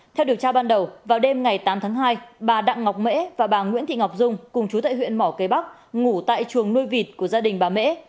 theo điều tra ban đầu vào đêm ngày tám tháng hai bà đặng ngọc mễ và bà nguyễn thị ngọc dung cùng chú tại huyện mỏ cây bắc ngủ tại chuồng nuôi vịt của gia đình bà mễ